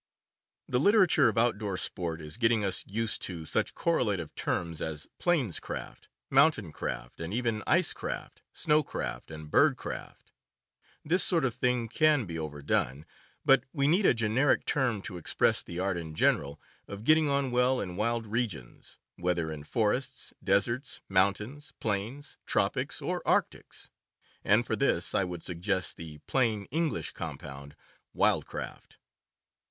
The literature of outdoor sport is getting us used to such correlative terms as plainscraft, mountaincraft, and even icecraft, snowcraft, and birdcraft. This sort of thing can be overdone; but we need a generic term to express the art, in general, of getting on well in wild regions, whether in forests, deserts, mountains, plains, tropics or arctics; and for this I would suggest the plain English compound wildcraft.